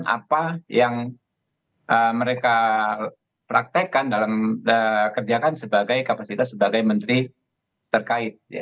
apa yang mereka praktekkan dalam kerjakan sebagai kapasitas sebagai menteri terkait